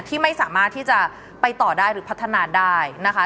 ที่ไม่สามารถที่จะไปต่อได้หรือพัฒนาได้นะคะ